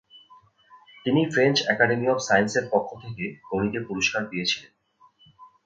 তিনি French academy of সায়েন্সের পক্ষ থেকে গণিতে পুরস্কার পেয়েছিলেন।